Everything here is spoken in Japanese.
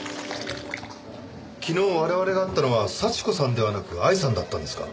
昨日我々が会ったのは幸子さんではなく愛さんだったんですか？